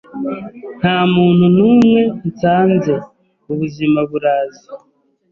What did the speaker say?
nta muntu n’umwe nsanze, ubuzima buraza